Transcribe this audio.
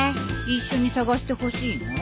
一緒に捜してほしいの？